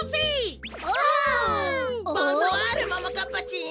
ボンソワールももかっぱちん。